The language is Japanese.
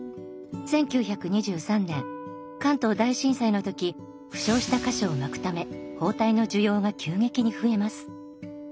１９２３年関東大震災の時負傷した箇所を巻くため包帯の需要が急激に増えます。